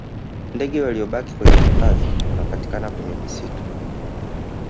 Tdege waliyobaki kwenye hifadhi wanapatikana kwenye misitu